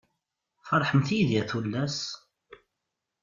Ferḥemt yid-i a tullas.